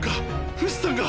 フシさんが！